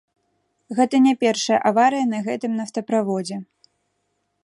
Гэта не першая аварыя на гэтым нафтаправодзе.